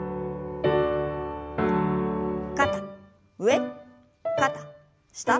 肩上肩下。